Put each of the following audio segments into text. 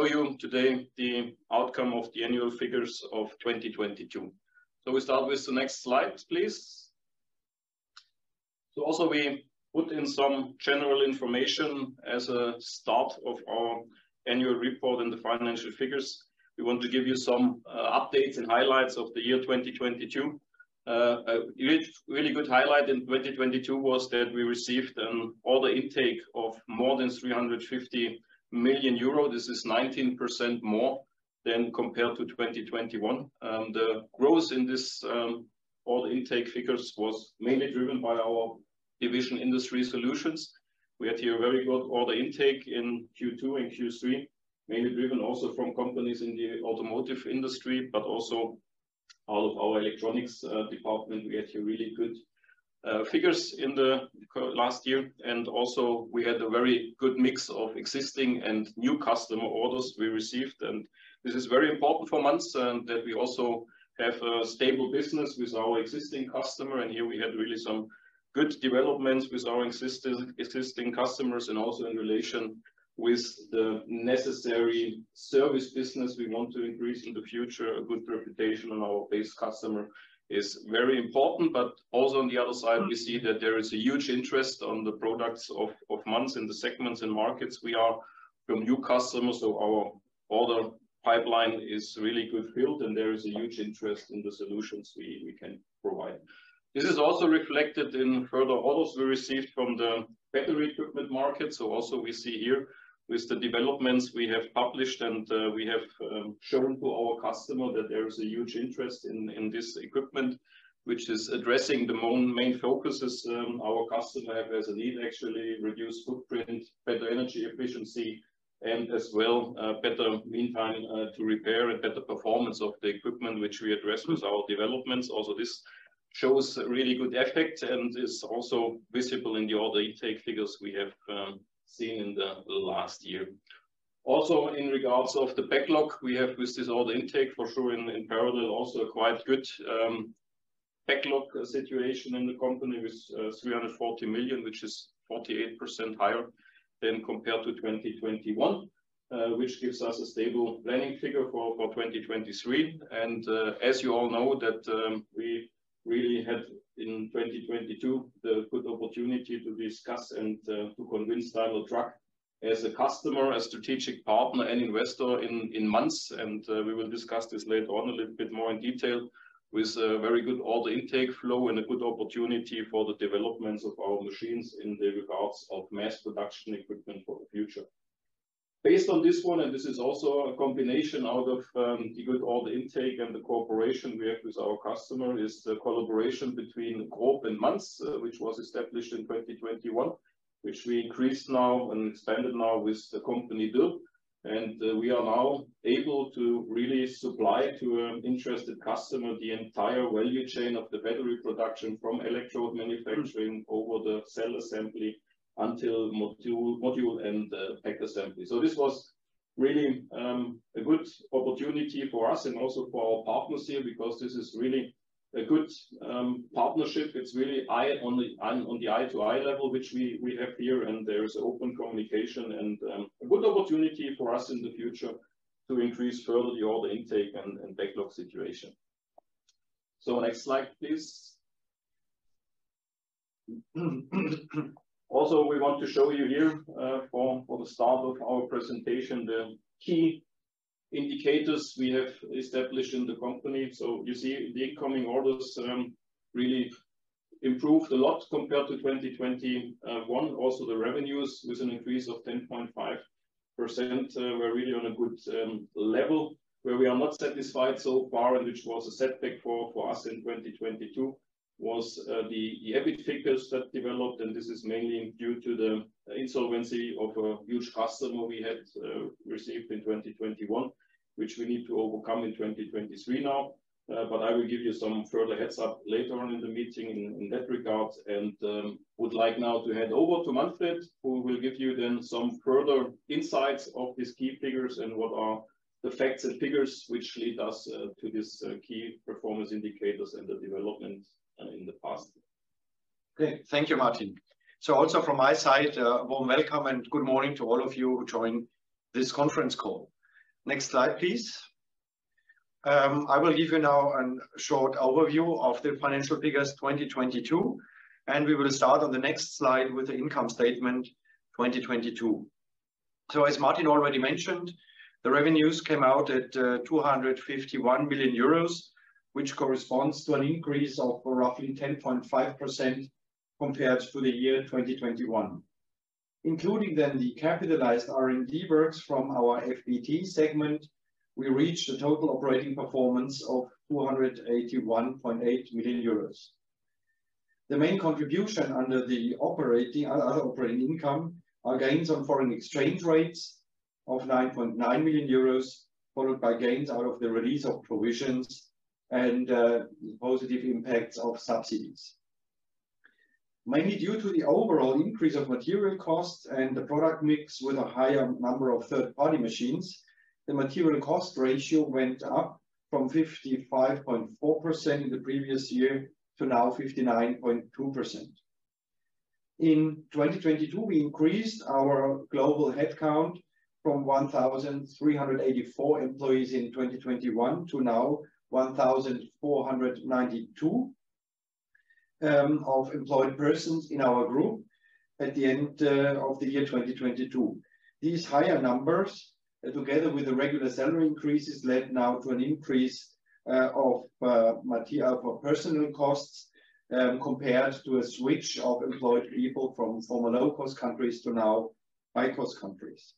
Show you today the outcome of the annual figures of 2022. We start with the next slide, please. Also we put in some general information as a start of our annual report and the financial figures. We want to give you some updates and highlights of the year 2022. A really good highlight in 2022 was that we received an order intake of more than 300 million euro. This is 19% more than compared to 2021. The growth in this order intake figures was mainly driven by our division Industry Solutions. We had here very good order intake in Q2 and Q3, mainly driven also from companies in the automotive industry, but also all of our electronics department, we had here really good figures in the last year, also we had a very good mix of existing and new customer orders we received. This is very important for Manz that we also have a stable business with our existing customer. Here we had really some good developments with our existing customers and also in relation with the necessary service business we want to increase in the future. A good reputation on our base customer is very important. Also on the other side, we see that there is a huge interest on the products of Manz in the segments and markets we are from new customers. Our order pipeline is really good filled, and there is a huge interest in the solutions we can provide. This is also reflected in further orders we received from the battery equipment market. Also we see here with the developments we have published and we have shown to our customer that there is a huge interest in this equipment, which is addressing the main focuses, our customer has a need to actually reduce footprint, better energy efficiency and as well, better meantime to repair and better performance of the equipment which we address with our developments. This shows really good effect and is also visible in the order intake figures we have seen in the last year. In regards of the backlog we have with this order intake for sure in parallel also a quite good backlog situation in the company with 340 million, which is 48% higher than compared to 2021, which gives us a stable planning figure for 2023. As you all know that, we really had in 2022, the good opportunity to discuss and to convince Daimler Truck as a customer, a strategic partner and investor in Manz. We will discuss this later on a little bit more in detail with a very good order intake flow and a good opportunity for the developments of our machines in regards of mass production equipment for the future. Based on this one, this is also a combination out of the good order intake and the cooperation we have with our customer, is the collaboration between GROB and Manz, which was established in 2021, which we increased now and expanded now with the company Dürr. We are now able to really supply to an interested customer the entire value chain of the battery production from electrode manufacturing over the cell assembly until module and pack assembly. This was really a good opportunity for us and also for our partners here, because this is really a good partnership. It's really eye on the eye to eye level which we have here. There is open communication and a good opportunity for us in the future to increase further the order intake and backlog situation. Next slide, please. We want to show you here for the start of our presentation, the key indicators we have established in the company. You see the incoming orders really improved a lot compared to 2021. The revenues with an increase of 10.5%. We're really on a good level. Where we are not satisfied so far, and which was a setback for us in 2022, was the EBIT figures that developed. This is mainly due to the insolvency of a huge customer we had, received in 2021, which we need to overcome in 2023 now. I will give you some further heads up later on in the meeting in that regard. Would like now to hand over to Manfred, who will give you then some further insights of these key figures and what are the facts and figures which lead us to this key performance indicators and the developments in the past. Great. Thank you, Martin. Also from my side, warm welcome and good morning to all of you who join this conference call. Next slide, please. I will give you now an short overview of the financial figures 2022, we will start on the next slide with the income statement 2022. As Martin already mentioned, the revenues came out at 251 million euros, which corresponds to an increase of roughly 10.5% compared to the year 2021. Including then the capitalized R&D works from our FBT segment, we reached a total operating performance of 281.8 million euros. The main contribution under the operating, other operating income are gains on foreign exchange rates of 9.9 million euros, followed by gains out of the release of provisions and positive impacts of subsidies. Mainly due to the overall increase of material costs and the product mix with a higher number of third-party machines, the material cost ratio went up from 55.4% in the previous year to now 59.2%. In 2022, we increased our global headcount from 1,384 employees in 2021 to now 1,492 of employed persons in our group at the end of the year 2022. These higher numbers, together with the regular salary increases, led now to an increase of material for personal costs, compared to a switch of employed people from former low-cost countries to now high-cost countries.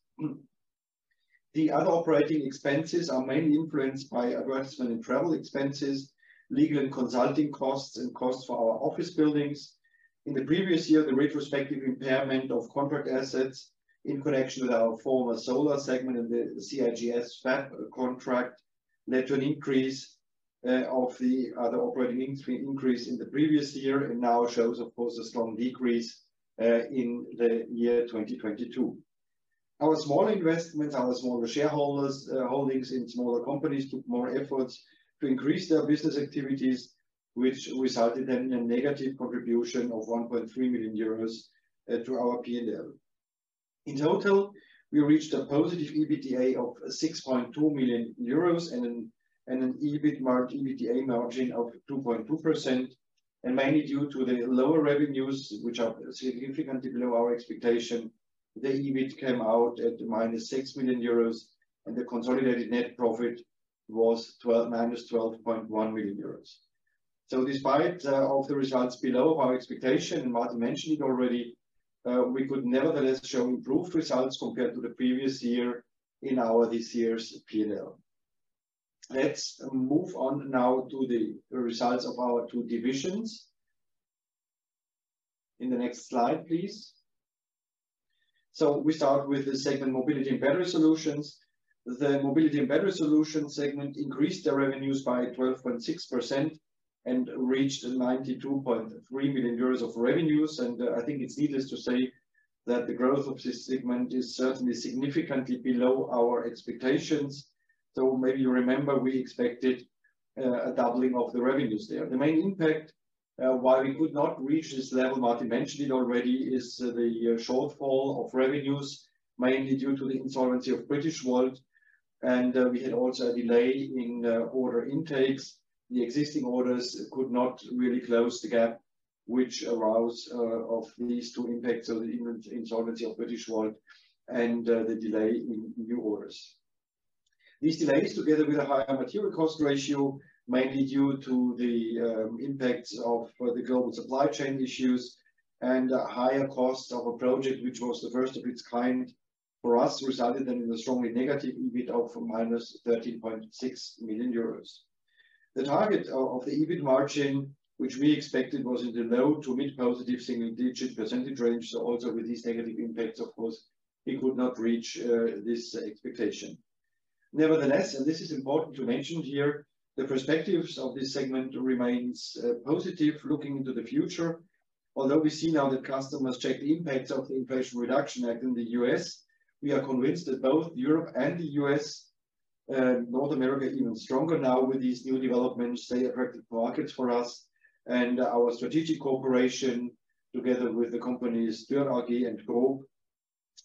The other operating expenses are mainly influenced by advertisement and travel expenses, legal and consulting costs and costs for our office buildings. In the previous year, the retrospective impairment of contract assets in connection with our former solar segment and the CIGS fab contract led to an increase of the other operating increase in the previous year and now shows, of course, a strong decrease in the year 2022. Our small investments, our smaller shareholders, holdings in smaller companies took more efforts to increase their business activities, which resulted in a negative contribution of 1.3 million euros to our P&L. In total, we reached a positive EBITDA of 6.2 million euros and an EBITDA margin of 2.2%, mainly due to the lower revenues, which are significantly below our expectation. The EBIT came out at minus 6 million euros, the consolidated net profit was minus 12.1 million euros. Despite of the results below our expectation, Martin mentioned already, we could nevertheless show improved results compared to the previous year in our this year's P&L. Let's move on now to the results of our two divisions. In the next slide, please. We start with the segment Mobility & Battery Solutions. The Mobility & Battery Solutions segment increased their revenues by 12.6% and reached 92.3 million euros of revenues. I think it's needless to say that the growth of this segment is certainly significantly below our expectations. Maybe you remember we expected a doubling of the revenues there. The main impact why we could not reach this level, Martin mentioned it already, is the shortfall of revenues, mainly due to the insolvency of Britishvolt. We had also a delay in order intakes. The existing orders could not really close the gap, which arose of these two impacts of the insolvency of Britishvolt and the delay in new orders. These delays, together with a higher material cost ratio, mainly due to the impacts of the global supply chain issues and a higher cost of a project, which was the first of its kind for us, resulted in a strongly negative EBIT of minus 13.6 million euros. The target of the EBIT margin, which we expected, was in the low to mid-positive single-digit % range. Also with these negative impacts, of course, it could not reach this expectation. Nevertheless, this is important to mention here, the perspectives of this segment remains positive looking into the future. Although we see now that customers check the impacts of the Inflation Reduction Act in the U.S., we are convinced that both Europe and the U.S., North America, even stronger now with these new developments, stay attractive markets for us and our strategic cooperation together with the companies Dürr AG and GROB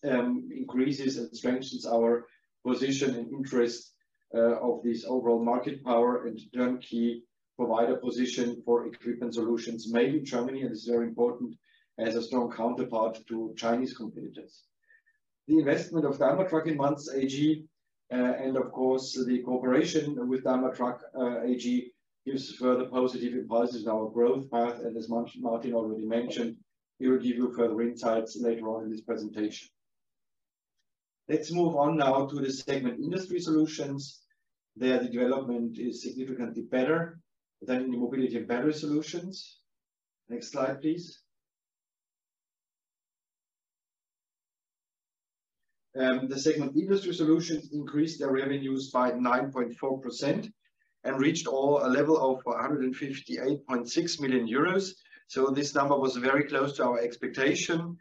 increases and strengthens our position and interest of this overall market power and turnkey provider position for equipment solutions made in Germany, this is very important, as a strong counterpart to Chinese competitors. The investment of Daimler Truck in Manz AG and of course, the cooperation with Daimler Truck AG gives further positive impulses in our growth path, and as Martin already mentioned, he will give you further insights later on in this presentation. Let's move on now to the segment Industry Solutions. There, the development is significantly better than in Mobility & Battery Solutions. Next slide, please. The segment Industry Solutions increased their revenues by 9.4% and reached a level of 158.6 million euros. This number was very close to our expectation.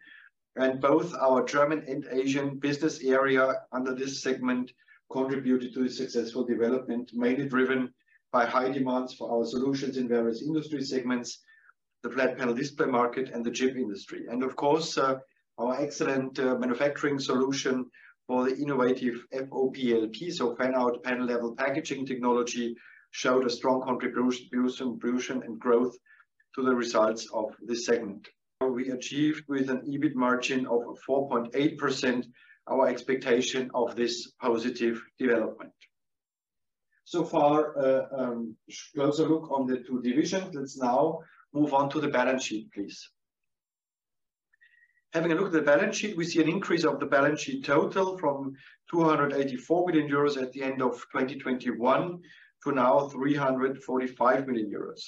Both our German and Asian business area under this segment contributed to the successful development, mainly driven by high demands for our solutions in various industry segments, the flat panel display market and the chip industry. Of course, our excellent manufacturing solution for the innovative FOPLP, so fan-out panel level packaging technology, showed a strong contribution and growth to the results of this segment. We achieved with an EBIT margin of 4.8% our expectation of this positive development. Closer look on the two divisions. Let's now move on to the balance sheet, please. Having a look at the balance sheet, we see an increase of the balance sheet total from 284 million euros at the end of 2021 to now 345 million euros.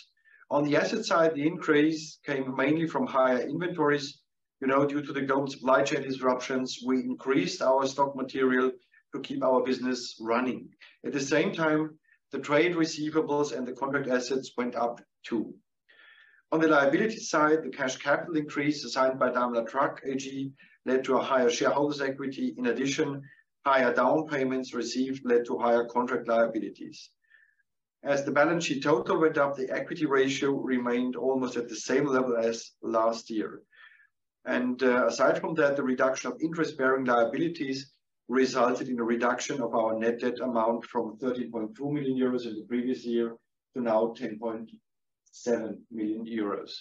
On the asset side, the increase came mainly from higher inventories. You know, due to the global supply chain disruptions, we increased our stock material to keep our business running. At the same time, the trade receivables and the contract assets went up too. On the liability side, the cash capital increase assigned by Daimler Truck AG led to a higher shareholders' equity. In addition, higher down payments received led to higher contract liabilities. As the balance sheet total went up, the equity ratio remained almost at the same level as last year. Aside from that, the reduction of interest-bearing liabilities resulted in a reduction of our net debt amount from 30.2 million euros in the previous year to now 10.7 million euros.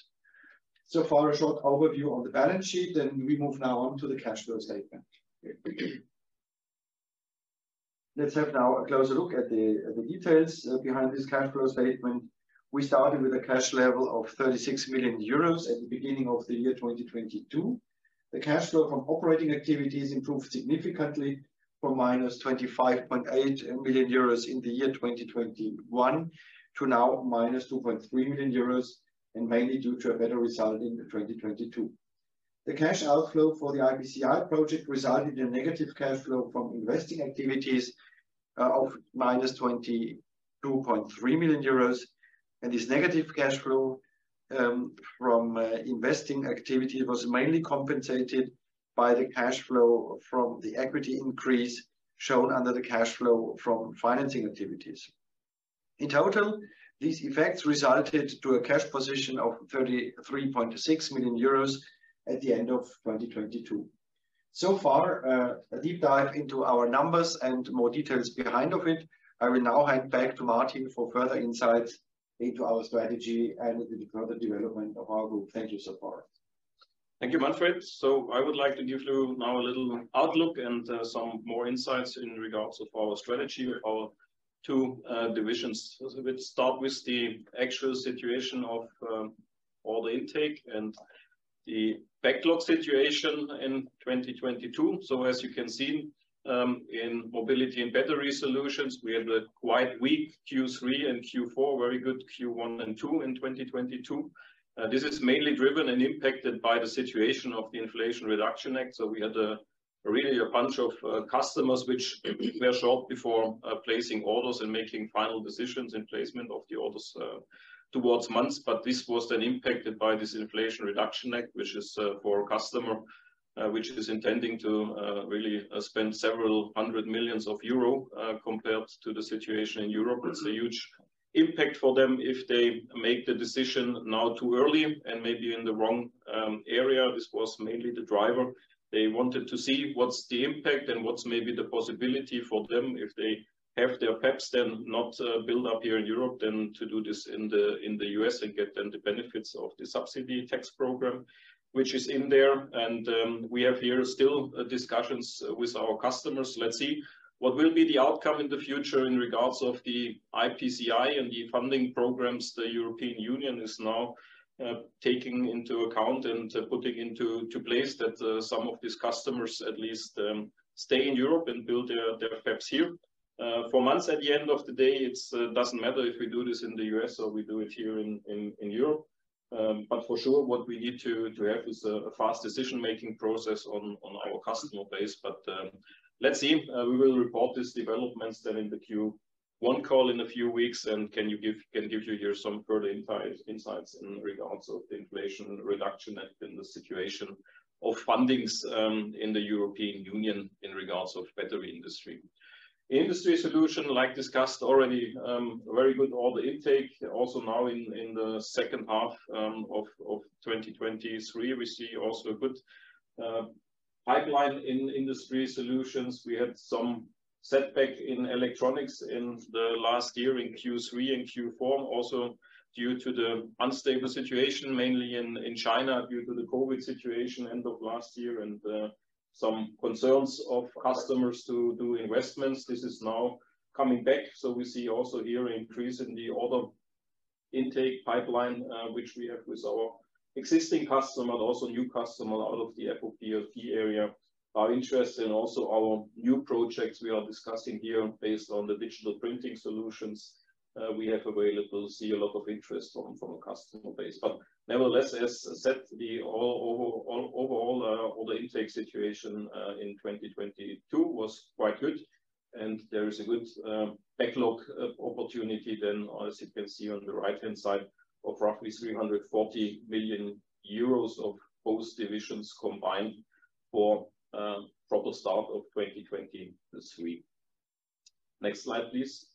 For a short overview on the balance sheet, we move now on to the cash flow statement. Let's have now a closer look at the details behind this cash flow statement. We started with a cash level of 36 million euros at the beginning of the year 2022. The cash flow from operating activities improved significantly from minus 25.8 million euros in the year 2021 to now minus 2.3 million euros, mainly due to a better result in 2022. The cash outflow for the IPCEI project resulted in negative cash flow from investing activities of minus 22.3 million euros. This negative cash flow from investing activity was mainly compensated by the cash flow from the equity increase shown under the cash flow from financing activities. In total, these effects resulted to a cash position of 33.6 million euros at the end of 2022. So far, a deep dive into our numbers and more details behind of it. I will now hand back to Martin for further insights into our strategy and the further development of our group. Thank you so far. Thank you, Manfred. I would like to give you now a little outlook and some more insights in regards of our strategy, our two divisions. We start with the actual situation of order intake and the backlog situation in 2022. As you can see, in Mobility & Battery Solutions, we had a quite weak Q3 and Q4, very good Q1 and Q2 in 2022. This is mainly driven and impacted by the situation of the Inflation Reduction Act. We had really a bunch of customers which were shocked before placing orders and making final decisions in placement of the orders towards Manz. This was then impacted by this Inflation Reduction Act, which is for customer, which is intending to really spend several hundred million EUR compared to the situation in Europe. It's a huge impact for them if they make the decision now too early and maybe in the wrong area. This was mainly the driver. They wanted to see what's the impact and what's maybe the possibility for them if they have their FEPS then not build up here in Europe, then to do this in the U.S. and get then the benefits of the subsidy tax program, which is in there. We have here still discussions with our customers. Let's see what will be the outcome in the future in regards of the IPCEI and the funding programs the European Union is now taking into account and putting into place that some of these customers at least stay in Europe and build their FEPS here. For Manz at the end of the day, it doesn't matter if we do this in the U.S. or we do it here in Europe. For sure, what we need to have is a fast decision-making process on our customer base. Let's see. We will report these developments then in the Q1 call in a few weeks. Can give you here some further insights in regards of the Inflation Reduction and in the situation of fundings in the European Union in regards of battery industry. Industry Solutions, like discussed already, very good order intake. Now in the second half of 2023, we see also a good pipeline in Industry Solutions. We had some setback in electronics in the last year in Q3 and Q4, also due to the unstable situation, mainly in China due to the COVID situation end of last year and some concerns of customers to do investments. This is now coming back. We see also here increase in the order intake pipeline, which we have with our existing customer, also new customer out of the FOPLP area are interested. Also our new projects we are discussing here based on the digital printing solutions, we have available, see a lot of interest from a customer base. Nevertheless, as said, the overall order intake situation in 2022 was quite good. There is a good backlog opportunity than as you can see on the right-hand side of roughly 340 million euros of both divisions combined for proper start of 2023. Next slide, please.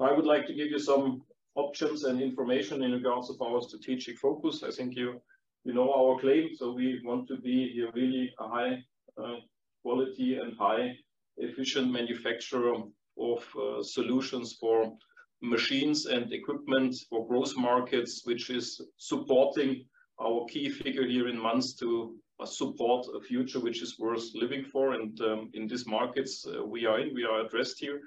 I would like to give you some options and information in regards of our strategic focus. I think you know our claim, we want to be a really a high quality and high efficient manufacturer of solutions for machines and equipment for growth markets, which is supporting our key figure here in Manz to support a future which is worth living for. In these markets we are in, we are addressed here.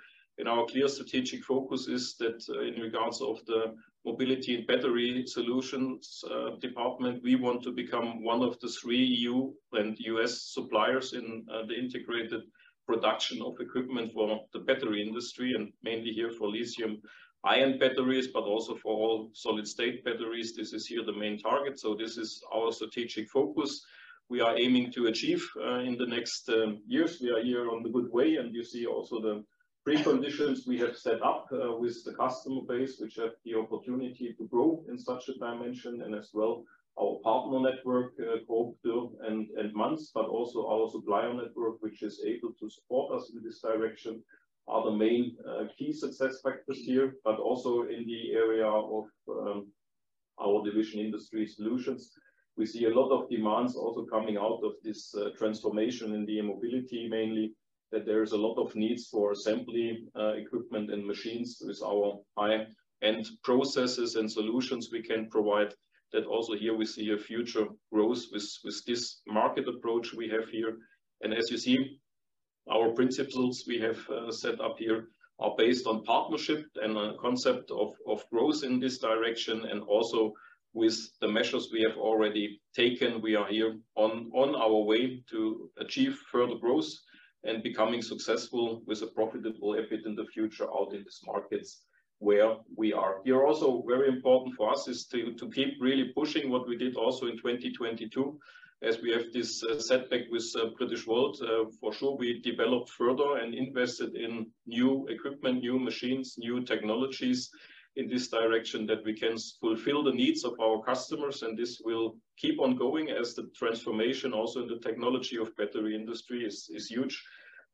Our clear strategic focus is that in regards of the Mobility & Battery Solutions department, we want to become one of the three EU and U.S. suppliers in the integrated production of equipment for the battery industry, and mainly here for lithium-ion batteries, but also for all solid-state batteries. This is here the main target. This is our strategic focus we are aiming to achieve in the next years. We are here on the good way, and you see also the preconditions we have set up with the customer base, which have the opportunity to grow in such a dimension. As well, our partner network, GROB, Dürr, and Manz, but also our supplier network, which is able to support us in this direction, are the main key success factors here, but also in the area of Our division Industry Solutions. We see a lot of demands also coming out of this transformation in the e-mobility, mainly that there is a lot of needs for assembly equipment and machines with our high-end processes and solutions we can provide that also here we see a future growth with this market approach we have here. As you see, our principles we have set up here are based on partnership and a concept of growth in this direction. Also with the measures we have already taken, we are here on our way to achieve further growth and becoming successful with a profitable EBIT in the future out in these markets where we are. Also very important for us is to keep really pushing what we did also in 2022, as we have this setback with Britishvolt. For sure we developed further and invested in new equipment, new machines, new technologies in this direction that we can fulfill the needs of our customers. This will keep on going as the transformation also in the technology of battery industry is huge.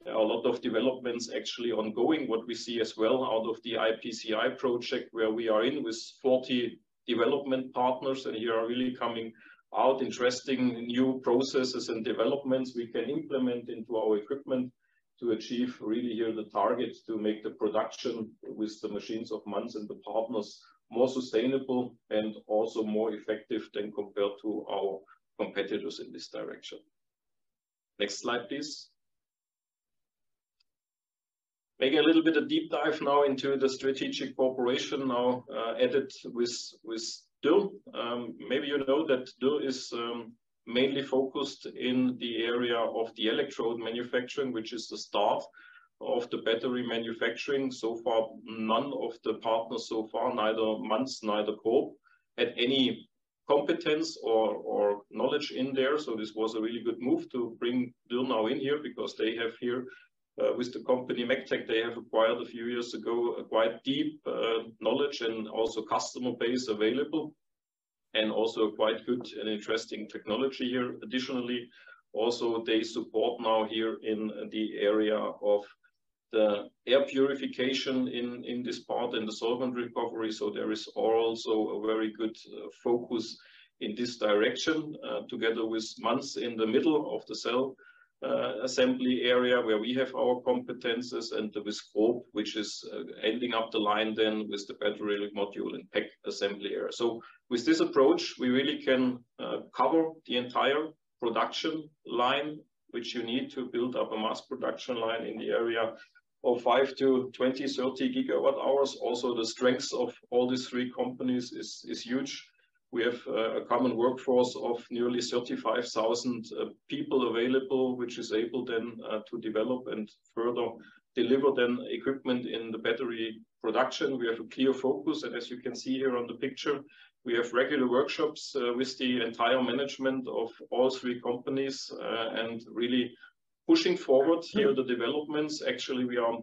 A lot of developments actually ongoing, what we see as well out of the IPCEI project where we are in with 40 development partners. Here are really coming out interesting new processes and developments we can implement into our equipment to achieve really here the target to make the production with the machines of Manz and the partners more sustainable and also more effective than compared to our competitors in this direction. Next slide, please. Maybe a little bit of deep dive now into the strategic cooperation now added with Dürr. Maybe you know that Dürr is mainly focused in the area of the electrode manufacturing, which is the start of the battery manufacturing. So far, none of the partners so far, neither Manz, neither GROB had any competence or knowledge in there. This was a really good move to bring Dürr now in here because they have here with the company Megtec, they have acquired a few years ago a quite deep knowledge and also customer base available and also quite good and interesting technology here. Additionally, also they support now here in the area of the air purification in this part, in the solvent recovery. There is also a very good focus in this direction together with Manz in the middle of the cell assembly area where we have our competences and with GROB, which is ending up the line then with the battery module and pack assembly area. With this approach, we really can cover the entire production line, which you need to build up a mass production line in the area of 5 to 20, 30 gigawatt hours. Also, the strengths of all these three companies is huge. We have a common workforce of nearly 35,000 people available, which is able then to develop and further deliver then equipment in the battery production. We have a clear focus, and as you can see here on the picture, we have regular workshops with the entire management of all three companies, and really pushing forward here the developments. Actually, we are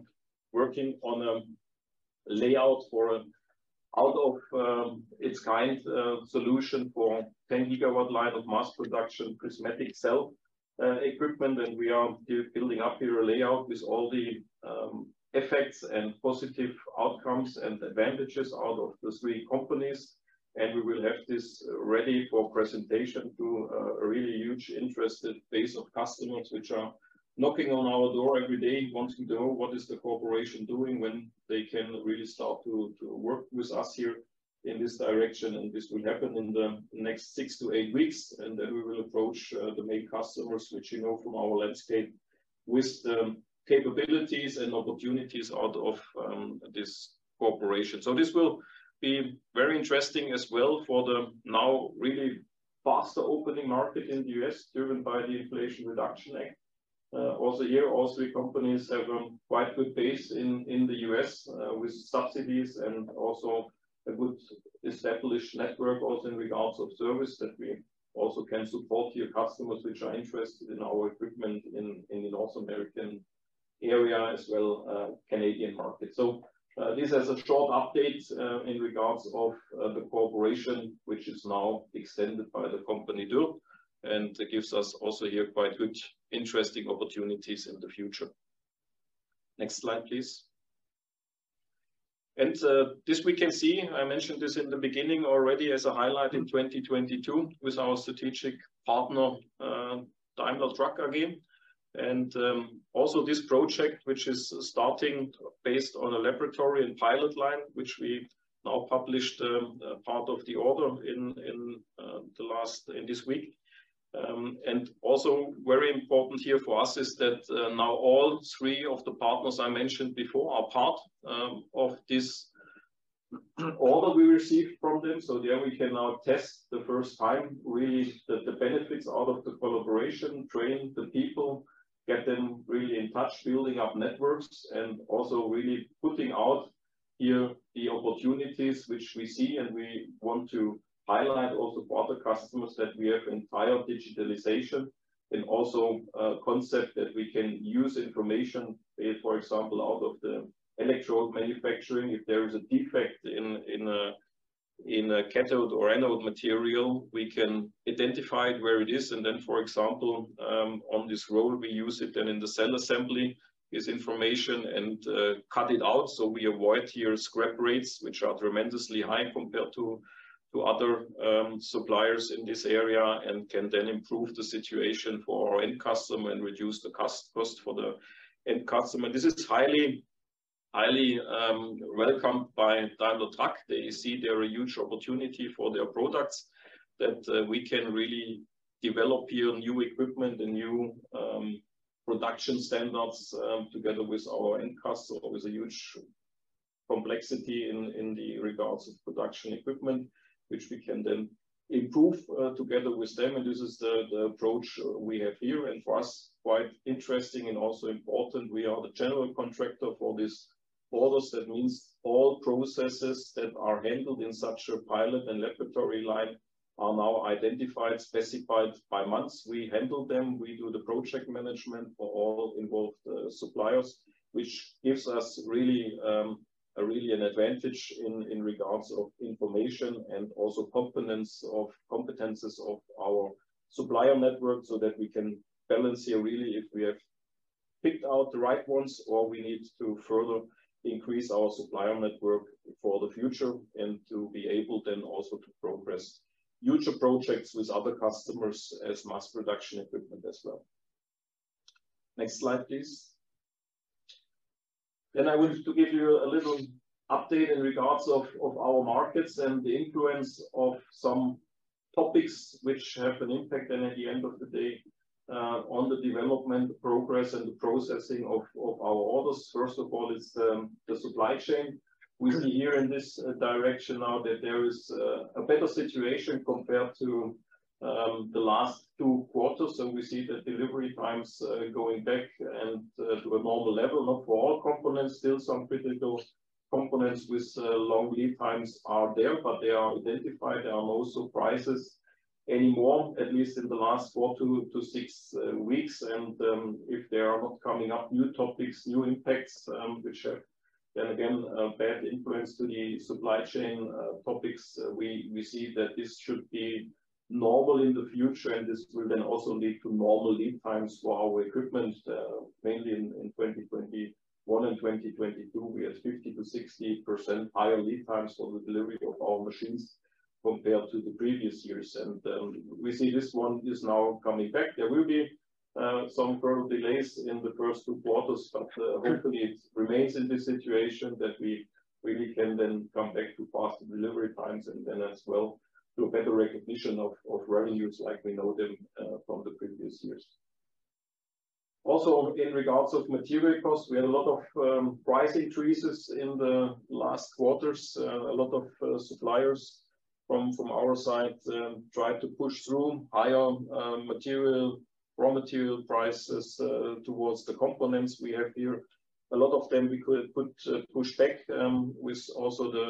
working on a layout for out-of-its-kind solution for 10 gigawatt line of mass production prismatic cell equipment. We are building up here a layout with all the effects and positive outcomes and advantages out of the three companies. We will have this ready for presentation to a really huge interested base of customers, which are knocking on our door every day, wanting to know what is the cooperation doing, when they can really start to work with us here in this direction. This will happen in the next six to eight weeks. Then we will approach the main customers, which you know from our landscape, with the capabilities and opportunities out of this cooperation. This will be very interesting as well for the now really faster opening market in the U.S., driven by the Inflation Reduction Act. Also here, all three companies have a quite good base in the U.S. with subsidies and also a good established network also in regards of service that we also can support here customers which are interested in our equipment in the North American area as well, Canadian market. This is a short update in regards of the cooperation, which is now extended by the company Dürr, and it gives us also here quite good interesting opportunities in the future. Next slide, please. This we can see, I mentioned this in the beginning already as a highlight in 2022 with our strategic partner, Daimler Truck again. Also this project which is starting based on a laboratory and pilot line, which we now published part of the order in this week. Also very important here for us is that now all three of the partners I mentioned before are part of this order we received from them. There we can now test the first time really the benefits out of the collaboration, train the people, get them really in touch, building up networks, and also really putting out here the opportunities which we see and we want to highlight also for other customers that we have entire digitalization and also a concept that we can use information, for example, out of the electrode manufacturing. If there is a defect in a cathode or anode material, we can identify where it is, and then, for example, on this roll, we use it then in the cell assembly, this information, and cut it out, so we avoid here scrap rates, which are tremendously high compared to other suppliers in this area and can then improve the situation for our end customer and reduce the cost for the end customer. This is highly welcomed by Daimler Truck. They see there a huge opportunity for their products that we can really develop here new equipment and new production standards together with our end customer, with a huge complexity in the regards of production equipment, which we can then improve together with them, and this is the approach we have here. For us, quite interesting and also important, we are the general contractor for these orders. That means all processes that are handled in such a pilot and laboratory line are now identified, specified by months. We handle them. We do the project management for all involved suppliers, which gives us really an advantage in regards of information and also competencies of our supplier network, so that we can balance here really if we have picked out the right ones or we need to further increase our supplier network for the future and to be able then also to progress future projects with other customers as mass production equipment as well. Next slide, please. I want to give you a little update in regards of our markets and the influence of some topics which have an impact at the end of the day on the development progress and the processing of our orders. First of all is the supply chain. We see here in this direction now that there is a better situation compared to the last two quarters, and we see the delivery times going back and to a normal level. Not for all components. Still some critical components with long lead times are there, but they are identified. There are no surprises anymore, at least in the last four to six weeks. If there are not coming up new topics, new impacts, which are then again a bad influence to the supply chain topics, we see that this should be normal in the future, and this will then also lead to normal lead times for our equipment. Mainly in 2021 and 2022, we had 50%-60% higher lead times for the delivery of our machines compared to the previous years. We see this one is now coming back. There will be some further delays in the first two quarters, but hopefully it remains in this situation that we really can then come back to faster delivery times and then as well to a better recognition of revenues like we know them from the previous years. In regards of material costs, we had a lot of price increases in the last quarters. A lot of suppliers from our side tried to push through higher material, raw material prices towards the components we have here. A lot of them we could push back with also the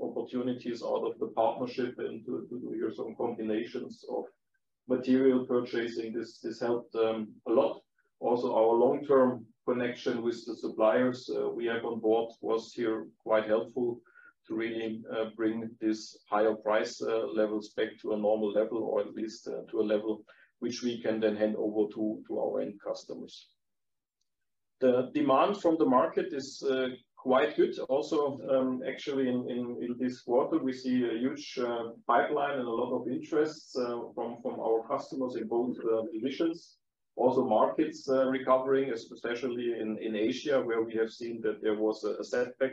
opportunities out of the partnership and to do here some combinations of material purchasing. This helped a lot. Our long-term connection with the suppliers we have on board was here quite helpful to really bring this higher price levels back to a normal level or at least to a level which we can then hand over to our end customers. The demand from the market is quite good also. Actually in this quarter, we see a huge pipeline and a lot of interest from our customers in both divisions. Markets recovering, especially in Asia, where we have seen that there was a setback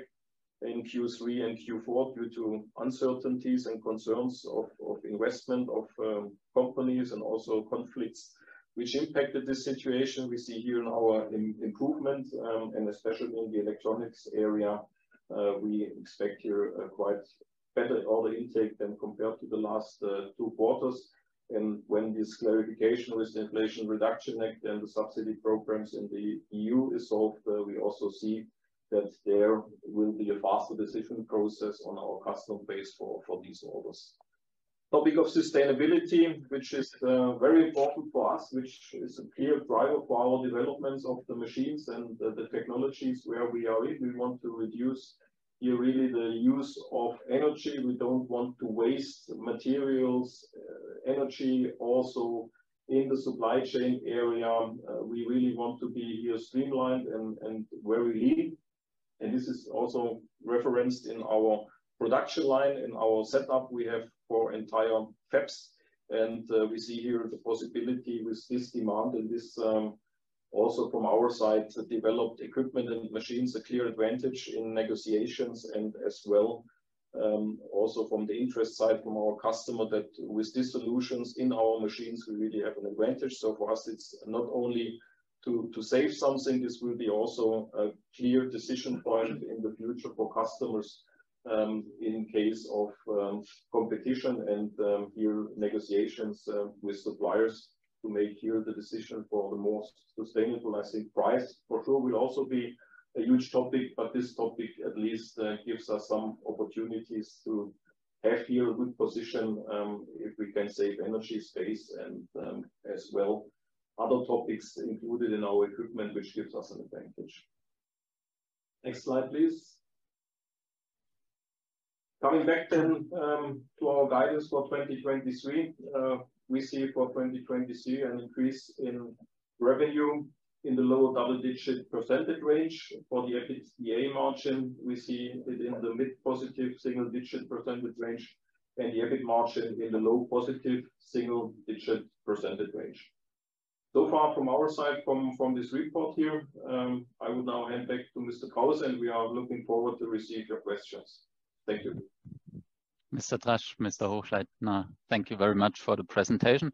in Q3 and Q4 due to uncertainties and concerns of investment of companies and also conflicts which impacted this situation. We see here now an improvement, especially in the electronics area, we expect here a quite better order intake than compared to the last two quarters. When this clarification with the Inflation Reduction Act and the subsidy programs in the EU is solved, we also see that there will be a faster decision process on our customer base for these orders. Topic of sustainability, which is very important for us, which is a clear driver for our developments of the machines and the technologies where we are in. We want to reduce here really the use of energy. We don't want to waste materials, energy. Also in the supply chain area, we really want to be here streamlined and where we lead. This is also referenced in our production line, in our setup we have for entire FEPS. We see here the possibility with this demand and this also from our side developed equipment and machines, a clear advantage in negotiations and as well also from the interest side from our customer that with these solutions in our machines, we really have an advantage. For us, it's not only to save something, this will be also a clear decision point in the future for customers, in case of competition and negotiations with suppliers to make here the decision for the most sustainable. I think price for sure will also be a huge topic, but this topic at least gives us some opportunities to have here a good position, if we can save energy, space, and as well other topics included in our equipment which gives us an advantage. Next slide, please. Coming back to our guidance for 2023. We see for 2023 an increase in revenue in the low double-digit % range. For the EBITDA margin, we see it in the mid positive single-digit % range and the EBIT margin in the low positive single-digit % range. Far from our side from this report here, I will now hand back to Mr. Kauß, and we are looking forward to receive your questions. Thank you. Mr. Drasch, Mr. Hochleitner, thank you very much for the presentation.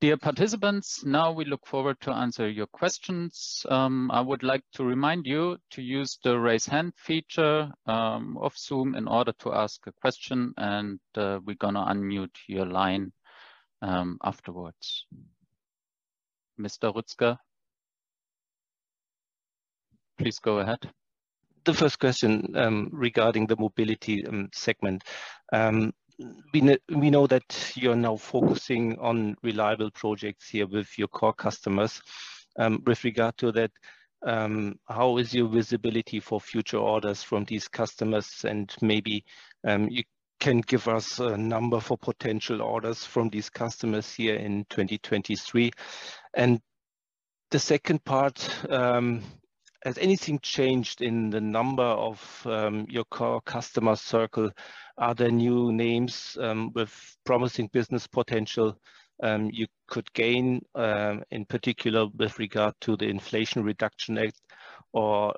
Dear participants, now we look forward to answer your questions. I would like to remind you to use the Raise Hand feature of Zoom in order to ask a question, and we're gonna unmute your line afterwards. Mr. Rutzger, please go ahead. The first question regarding the Mobility segment. We know that you're now focusing on reliable projects here with your core customers. With regard to that, how is your visibility for future orders from these customers? Maybe you can give us a number for potential orders from these customers here in 2023. The second part, has anything changed in the number of your core customer circle? Are there new names with promising business potential you could gain in particular with regard to the Inflation Reduction Act or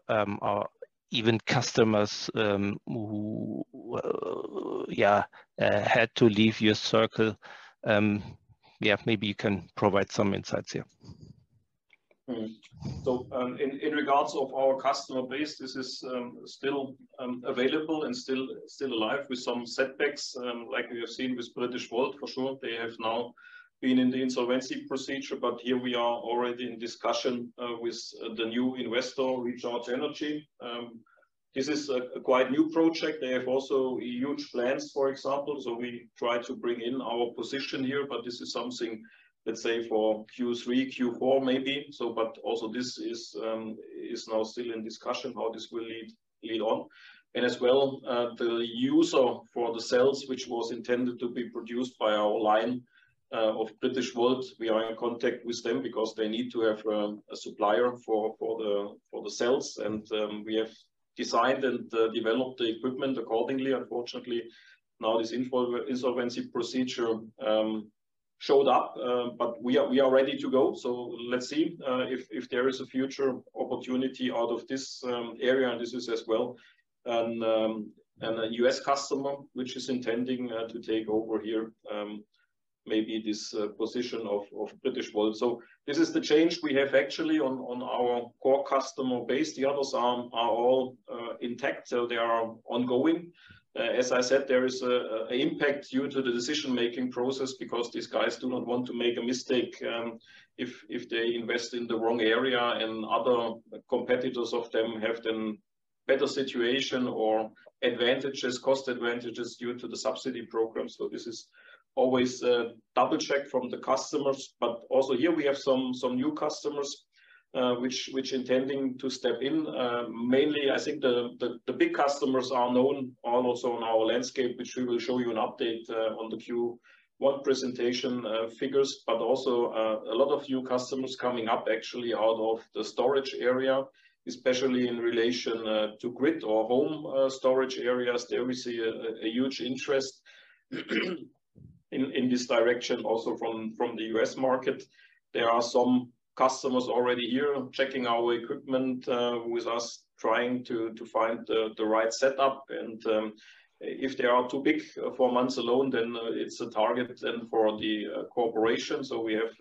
even customers who, yeah, had to leave your circle? Yeah, maybe you can provide some insights here. In regards of our customer base, this is still available and still alive with some setbacks, like we have seen with Britishvolt for sure. They have now been in the insolvency procedure, but here we are already in discussion with the new investor, Recharge Industries. This is a quite new project. They have also huge plans, for example, we try to bring in our position here, but this is something, let's say, for Q3, Q4 maybe. Also this is now still in discussion how this will lead on. As well, the use of for the cells, which was intended to be produced by our line of Britishvolt, we are in contact with them because they need to have a supplier for the cells. We have designed and developed the equipment accordingly. Unfortunately, now this insolvency procedure showed up, but we are ready to go. Let's see if there is a future opportunity out of this area, and this is as well. A U.S. customer, which is intending to take over here, maybe this position of Britishvolt. This is the change we have actually on our core customer base. The others are all intact, so they are ongoing. As I said, there is an impact due to the decision-making process because these guys do not want to make a mistake if they invest in the wrong area and other competitors of them have them better situation or advantages, cost advantages due to the subsidy program. This is always a double-check from the customers. Also here we have some new customers which intending to step in. Mainly, I think the big customers are known, also in our landscape, which we will show you an update on the Q1 presentation figures. Also, a lot of new customers coming up actually out of the storage area, especially in relation to grid or home storage areas. There we see a huge interest in this direction also from the U.S. market. There are some customers already here checking our equipment with us, trying to find the right setup. If they are too big for Manz alone, then it's a target then for the cooperation. We have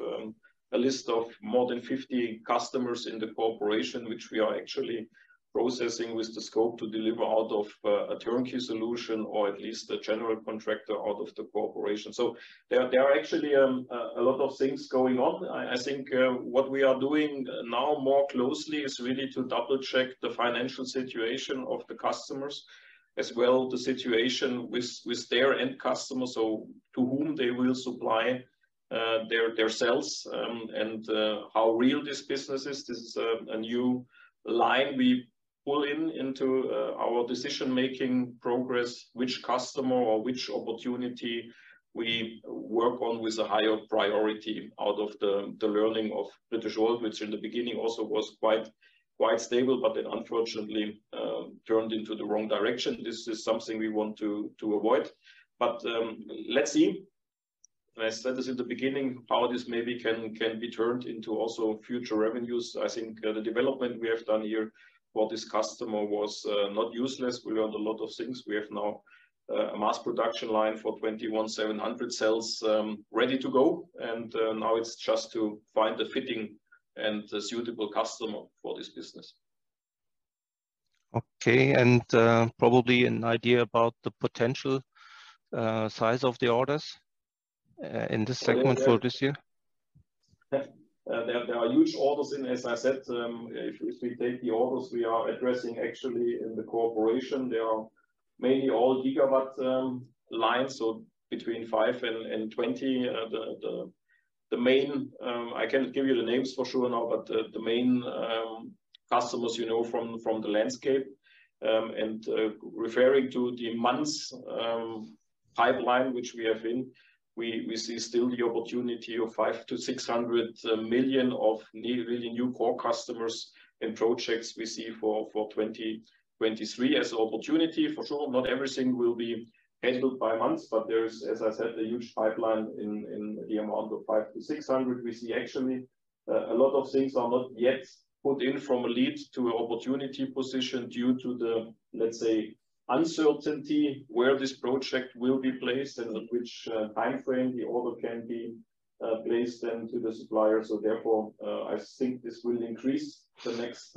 a list of more than 50 customers in the cooperation, which we are actually processing with the scope to deliver out of a turnkey solution or at least a general contractor out of the cooperation. There are actually a lot of things going on. I think what we are doing now more closely is really to double-check the financial situation of the customers, as well the situation with their end customers, so to whom they will supply their cells, and how real this business is. This is a new line we pull into our decision-making progress, which customer or which opportunity we work on with a higher priority out of the learning of Britishvolt, which in the beginning also was quite stable, but unfortunately turned into the wrong direction. This is something we want to avoid. Let's see, and I said this in the beginning, how this maybe can be turned into also future revenues. I think the development we have done here for this customer was not useless. We learned a lot of things. We have now a mass production line for 21700 cells ready to go. Now it's just to find a fitting and a suitable customer for this business. Okay. Probably an idea about the potential, size of the orders, in this segment for this year? There are huge orders and as I said, if we take the orders we are addressing actually in the cooperation, they are mainly all gigawatt lines, so between 5 and 20. The main, I can give you the names for sure now, but the main customers, you know, from the landscape, and referring to the Manz pipeline which we have in, we see still the opportunity of 500 million-600 million of new, really new core customers and projects we see for 2023 as opportunity. For sure, not everything will be handled by Manz, but there is, as I said, a huge pipeline in the amount of 500 million-600 million. We see actually, a lot of things are not yet put in from a lead to opportunity position due to the, let's say, uncertainty where this project will be placed and at which timeframe the order can be placed then to the supplier. Therefore, I think this will increase the next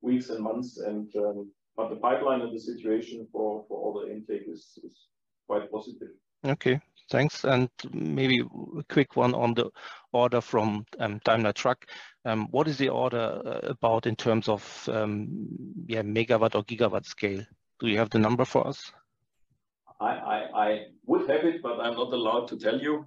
weeks and months. The pipeline and the situation for order intake is quite positive. Okay, thanks. Maybe a quick one on the order from Daimler Truck. What is the order about in terms of, yeah, megawatt or gigawatt scale? Do you have the number for us? I would have it, but I'm not allowed to tell you.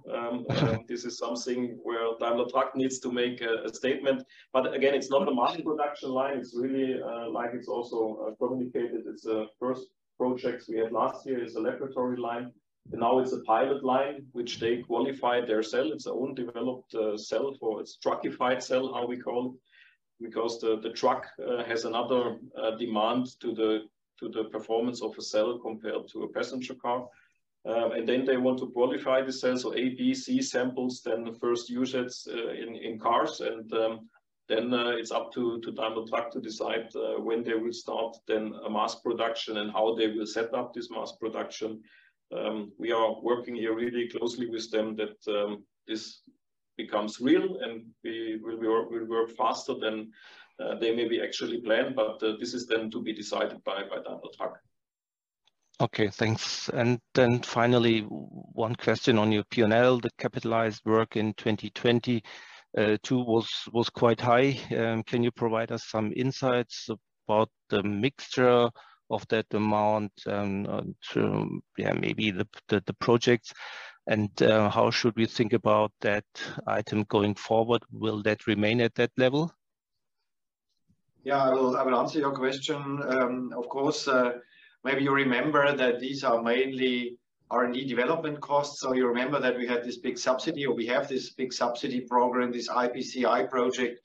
This is something where Daimler Truck needs to make a statement. Again, it's not a mass production line. It's really like it's also communicated. It's a first projects we had last year. It's a laboratory line. Now it's a pilot line, which they qualify their cell. It's own developed cell for its truckified cell, how we call, because the truck has another demand to the performance of a cell compared to a passenger car. Then they want to qualify the cell, so A, B, C samples, then the first usage in cars and then it's up to Daimler Truck to decide when they will start then a mass production and how they will set up this mass production. We are working here really closely with them that this becomes real, and we'll work faster than they maybe actually planned, this is then to be decided by Daimler Truck. Okay, thanks. Finally, one question on your P&L. The capitalized work in 2022 was quite high. Can you provide us some insights about the mixture of that amount to maybe the projects? How should we think about that item going forward? Will that remain at that level? I will answer your question. Of course, maybe you remember that these are mainly R&D development costs. You remember that we had this big subsidy, or we have this big subsidy program, this IPCEI project,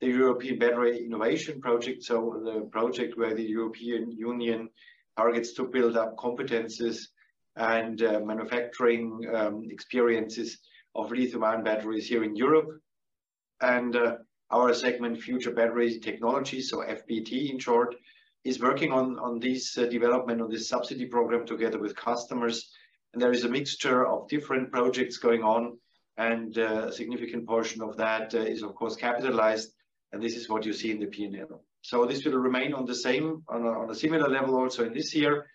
the European Battery Innovation Project, the project where the European Union targets to build up competences and manufacturing experiences of lithium-ion batteries here in Europe. Our segment, Future Battery Technology, so FBT in short, is working on this development of this subsidy program together with customers. There is a mixture of different projects going on, and a significant portion of that is of course capitalized, and this is what you see in the P&L. This will remain on the same, on a similar level also in this year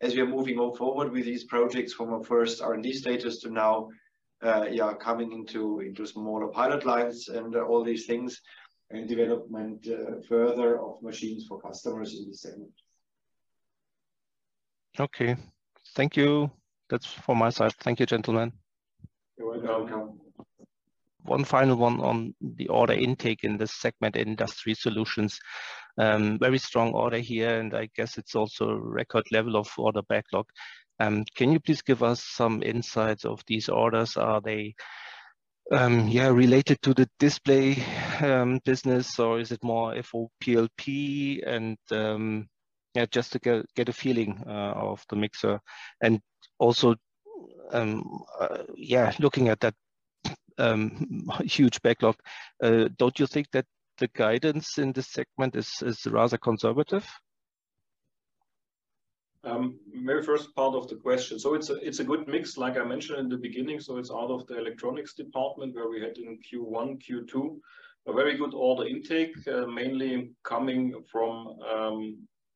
as we are moving on forward with these projects from a first R&D status to now, coming into smaller pilot lines and all these things and development further of machines for customers in this segment. Okay. Thank you. That's from my side. Thank you, gentlemen. You're welcome. You're welcome. One final one on the order intake in the segment Industry Solutions. Very strong order here, and I guess it's also record level of order backlog. Can you please give us some insights of these orders? Are they, yeah, related to the display business, or is it more FOPLP and, yeah, just to get a feeling of the mixer. Yeah, looking at that huge backlog, don't you think that the guidance in this segment is rather conservative? Very first part of the question. It's a good mix, like I mentioned in the beginning. It's out of the electronics department where we had in Q1, Q2, a very good order intake, mainly coming from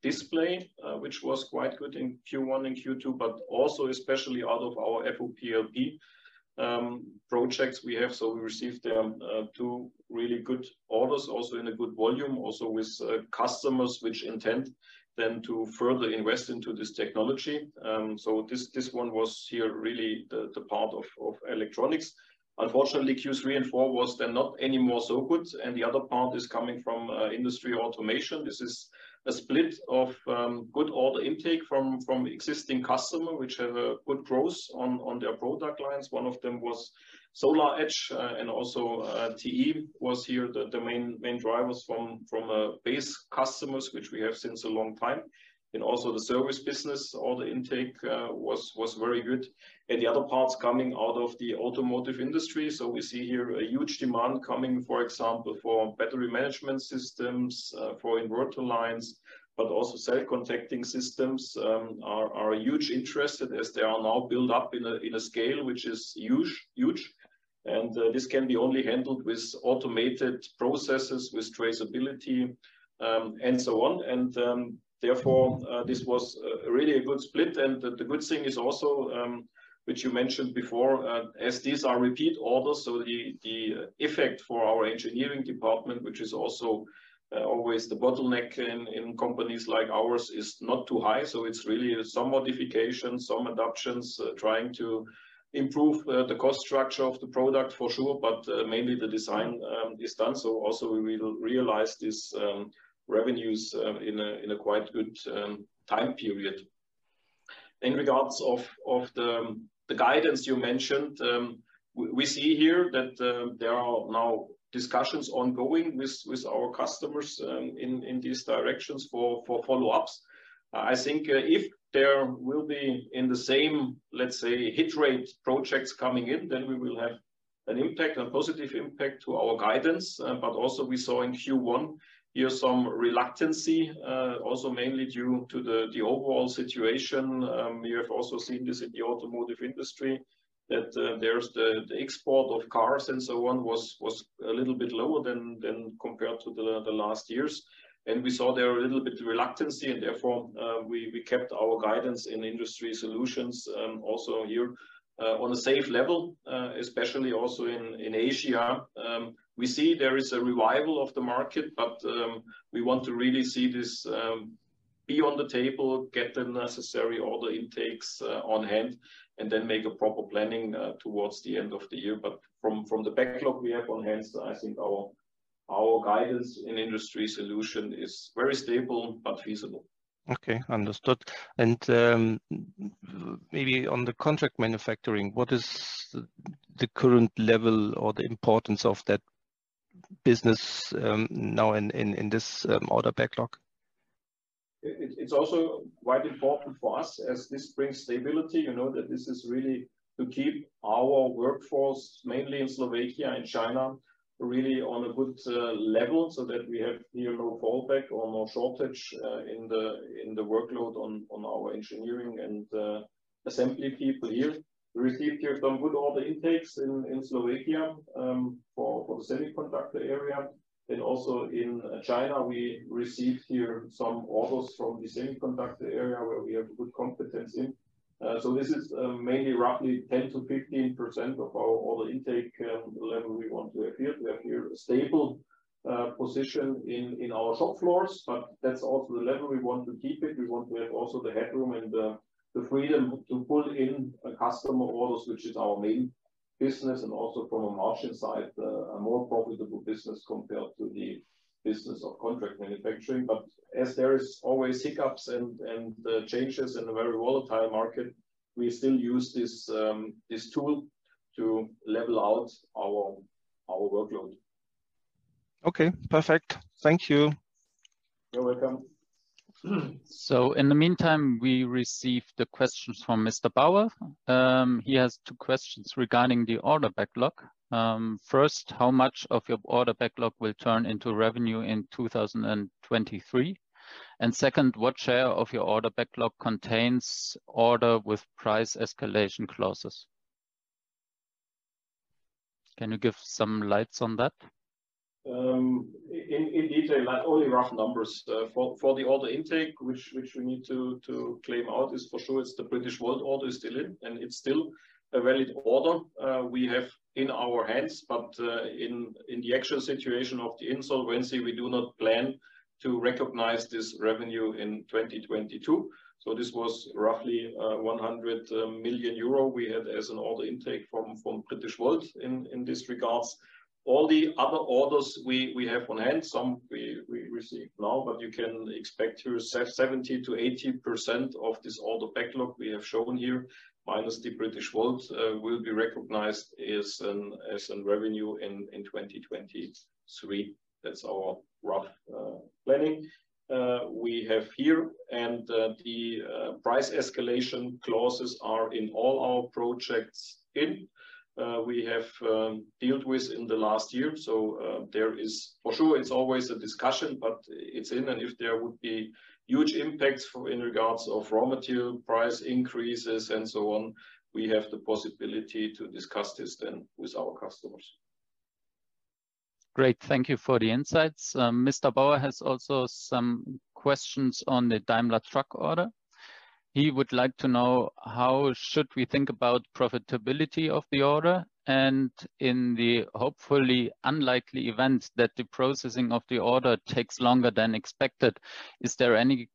display, which was quite good in Q1 and Q2, but also especially out of our FOPLP projects we have. We received two really good orders also in a good volume, also with customers which intend then to further invest into this technology. This one was here really the part of electronics. Unfortunately, Q3 and Q4 was then not any more so good. The other part is coming from industry automation. This is a split of good order intake from existing customer, which have a good growth on their product lines. One of them was SolarEdge, and also TE was here the main drivers from base customers, which we have since a long time. Also the service business order intake was very good. The other parts coming out of the automotive industry. We see here a huge demand coming, for example, for battery management systems, for inverter lines, but also cell contacting systems are a huge interest as they are now built up in a scale which is huge. This can be only handled with automated processes, with traceability, and so on. Therefore, this was really a good split. The good thing is also, which you mentioned before, as these are repeat orders, the effect for our engineering department, which is also always the bottleneck in companies like ours, is not too high. It's really some modification, some adaptations, trying to improve the cost structure of the product for sure, but mainly the design is done. Also we will realize these revenues in a quite good time period. In regards of the guidance you mentioned, we see here that there are now discussions ongoing with our customers in these directions for follow-ups. I think, if there will be in the same, let's say, hit rate projects coming in, then we will have an impact, a positive impact to our guidance. Also we saw in Q1 here some reluctancy, also mainly due to the overall situation. We have also seen this in the automotive industry, that there's the export of cars and so on was a little bit lower than compared to the last years. We saw there a little bit reluctancy and therefore, we kept our guidance in Industry Solutions, also here, on a safe level. Especially also in Asia, we see there is a revival of the market, but we want to really see this be on the table, get the necessary order intakes on hand, and then make a proper planning towards the end of the year. From the backlog we have on hand, I think our guidance in Industry Solutions is very stable but feasible. Okay. Understood. Maybe on the contract manufacturing, what is the current level or the importance of that business, now in this order backlog? It's also quite important for us as this brings stability. You know, that this is really to keep our workforce, mainly in Slovakia and China, really on a good level so that we have here no fallback or no shortage in the workload on our engineering and assembly people here. We received here some good order intakes in Slovakia for the semiconductor area. Also in China, we received here some orders from the semiconductor area where we have good competence in. This is mainly roughly 10%-15% of our order intake level we want to have here. We have here a stable position in our shop floors, but that's also the level we want to keep it. We want to have also the headroom and the freedom to pull in customer orders, which is our main business and also from a margin side, a more profitable business compared to the business of contract manufacturing. As there is always hiccups and changes in a very volatile market, we still use this tool to level out our workload. Okay. Perfect. Thank you. You're welcome. In the meantime, we received the questions from Mr. Bauer. He has two questions regarding the order backlog. First, how much of your order backlog will turn into revenue in 2023? Second, what share of your order backlog contains order with price escalation clauses? Can you give some lights on that? In detail, I have only rough numbers. For the order intake, which we need to claim out is for sure it's the Britishvolt order is still in, and it's still a valid order we have in our hands. In the actual situation of the insolvency, we do not plan to recognize this revenue in 2022. This was roughly 100 million euro we had as an order intake from Britishvolt in this regards. All the other orders we have on hand, some we receive now, but you can expect 70%-80% of this order backlog we have shown here, minus the Britishvolt, will be recognized as a revenue in 2023. That's our rough planning we have here. The price escalation clauses are in all our projects in we have dealt with in the last year. There is. For sure, it's always a discussion, but it's in. If there would be huge impacts for in regards of raw material price increases and so on, we have the possibility to discuss this then with our customers. Great. Thank you for the insights. Mr. Bauer has also some questions on the Daimler Truck order. He would like to know how should we think about profitability of the order, and in the hopefully unlikely event that the processing of the order takes longer than expected, is there any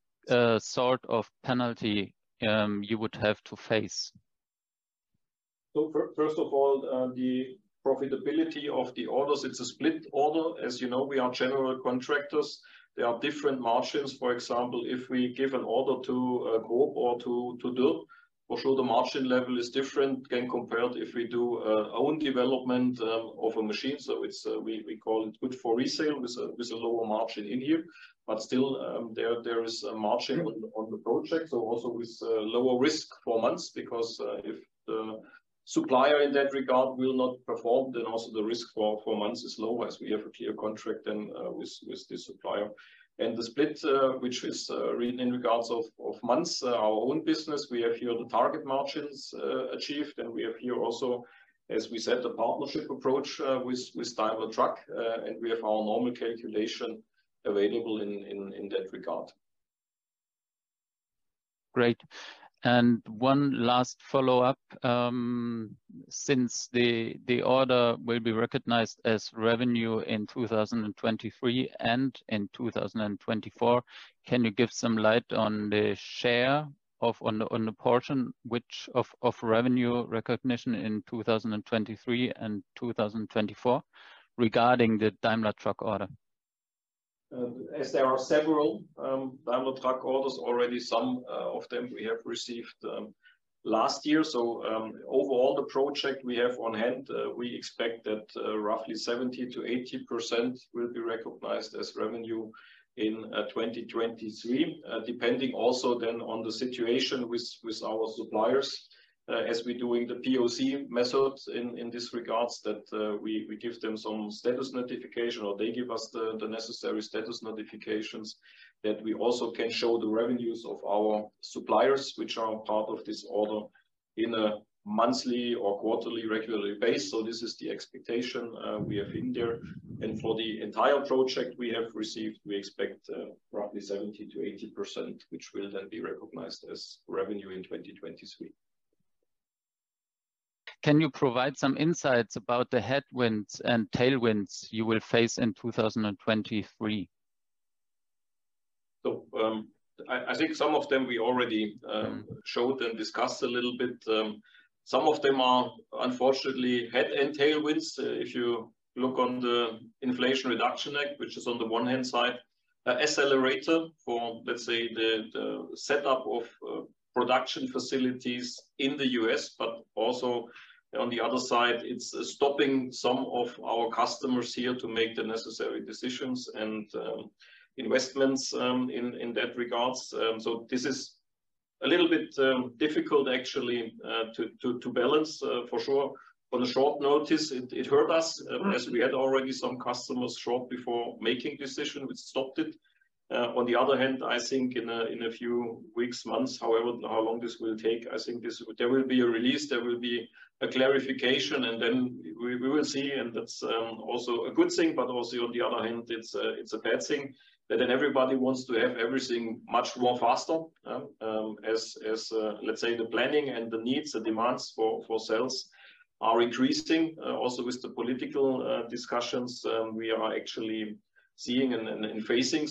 sort of penalty you would have to face? First of all, the profitability of the orders, it's a split order. As you know, we are general contractors. There are different margins. For example, if we give an order to GROB or to Dürr, for sure the margin level is different than compared if we do our own development of a machine. It's, we call it good for resale with a lower margin in here. Still, there is a margin on the project, so also with lower risk for Manz, because if the supplier in that regard will not perform, then also the risk for Manz is lower as we have a clear contract with the supplier. The split, which is really in regards of Manz, our own business, we have here the target margins achieved, and we have here also, as we said, the partnership approach with Daimler Truck, and we have our normal calculation available in that regard. Great. One last follow-up, since the order will be recognized as revenue in 2023 and in 2024, can you give some light on the share of, on the portion which of revenue recognition in 2023 and 2024 regarding the Daimler Truck order? As there are several Daimler Truck orders already, some of them we have received last year. Overall, the project we have on hand, we expect that roughly 70% to 80% will be recognized as revenue in 2023. Depending also then on the situation with our suppliers, as we're doing the POC methods in this regards that we give them some status notification or they give us the necessary status notifications that we also can show the revenues of our suppliers, which are part of this order in a monthly or quarterly regular basis. This is the expectation we have in there. For the entire project we have received, we expect roughly 70% to 80%, which will then be recognized as revenue in 2023. Can you provide some insights about the headwinds and tailwinds you will face in 2023? I think some of them we already showed and discussed a little bit. Some of them are unfortunately head and tailwinds. If you look on the Inflation Reduction Act, which is on the one hand side, an accelerator for, let's say, the set up of production facilities in the U.S., but also on the other side, it's stopping some of our customers here to make the necessary decisions and investments in that regards. This is a little bit difficult actually to balance for sure. On a short notice, it hurt us as we had already some customers short before making decision, which stopped it. On the other hand, I think in a few weeks, months, however how long this will take, I think this.. There will be a release, there will be a clarification, and then we will see. That's also a good thing, but also on the other hand, it's a bad thing that then everybody wants to have everything much more faster as, let's say, the planning and the needs, the demands for sales are increasing. Also with the political discussions, we are actually seeing and facing.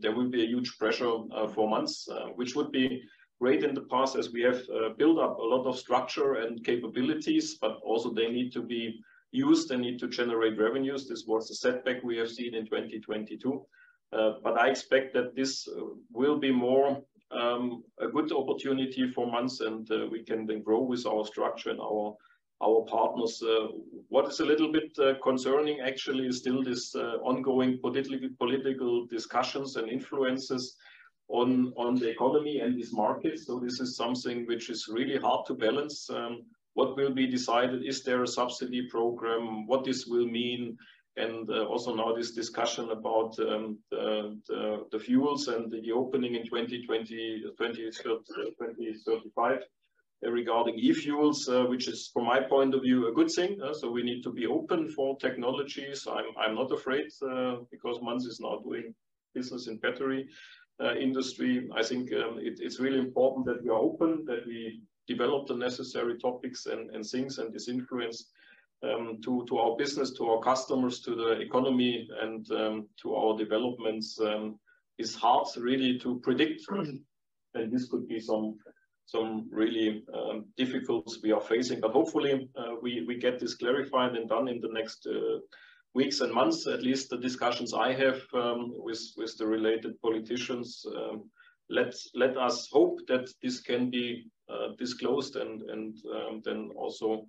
There will be a huge pressure for Manz, which would be great in the process. We have built up a lot of structure and capabilities, but also they need to be used, they need to generate revenues. This was a setback we have seen in 2022. I expect that this will be more a good opportunity for Manz, we can then grow with our structure and our partners. What is a little bit concerning actually is still this ongoing political discussions and influences on the economy and this market. This is something which is really hard to balance. What will be decided? Is there a subsidy program? What this will mean? Also now this discussion about the fuels and the opening in 2035 regarding e-fuels, which is, from my point of view, a good thing. We need to be open for technologies. I'm not afraid because Manz is not doing business in battery industry. I think, it's really important that we are open, that we develop the necessary topics and things and this influence to our business, to our customers, to the economy and to our developments is hard really to predict. This could be some really difficulties we are facing. Hopefully, we get this clarified and done in the next weeks and months, at least the discussions I have with the related politicians, let us hope that this can be disclosed and then also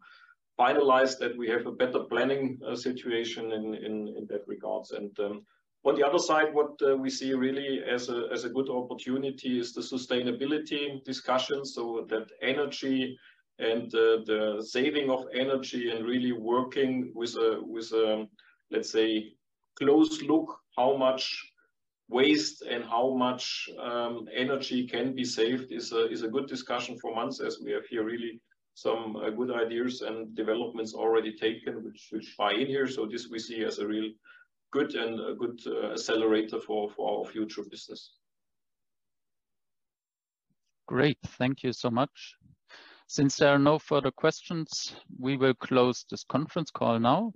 finalized, that we have a better planning situation in that regards. On the other side, what we see really as a good opportunity is the sustainability discussion, so that energy and the saving of energy and really working with a, let's say, close look how much waste and how much energy can be saved is a good discussion for Manz as we have here really some good ideas and developments already taken, which buy in here. This we see as a real good and a good accelerator for our future business. Great. Thank you so much. Since there are no further questions, we will close this conference call now.